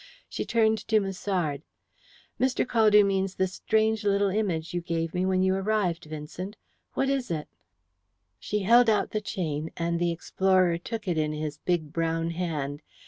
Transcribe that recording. She turned to Musard. "Mr. Caldew means the strange little image you gave me when you arrived, Vincent. What is it?" She held out the chain, and the explorer took it in his big brown hand.